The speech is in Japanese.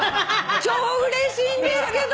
超うれしいんですけど！